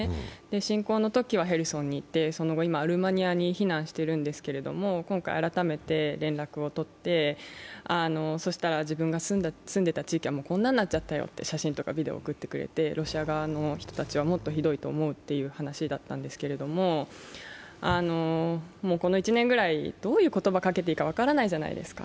侵攻の時はヘルソンにいて、今、アルメニアに避難しているんですけど今回改めて連絡をとって、そしたら自分が住んでいた地域は、もうこんなんなっちゃったよと写真とかビデオを送ってくれて、ロシア側の人たちはもっとひどいと思うという話だったんですけれども、この１年ぐらいどういう言葉をかけていいか分からないじゃないですか。